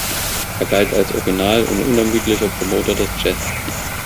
Er galt als Original und unermüdlicher Promoter des Jazz.